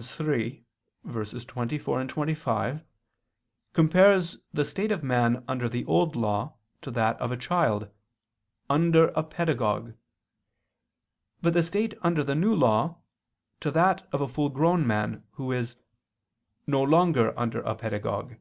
3:24, 25) compares the state of man under the Old Law to that of a child "under a pedagogue"; but the state under the New Law, to that of a full grown man, who is "no longer under a pedagogue."